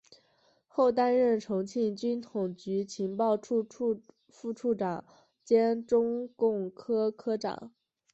后担任重庆军统局情报处副处长兼中共科科长。